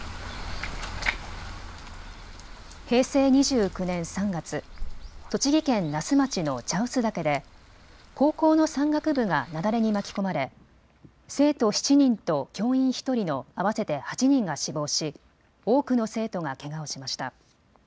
平成２９年３月、栃木県那須町の茶臼岳で高校の山岳部が雪崩に巻き込まれ生徒７人と教員１人の合わせて８人が死亡し多くの生徒がけがをしました。